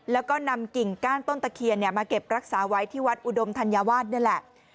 แล้วก็นำกิ่งก้านต้นตะเคียนมาเก็บรักษาไว้ที่วัดอุดมธัญวาสนี่แหละ